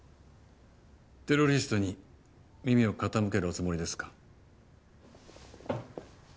テロリストに耳を傾けるおつもりですか？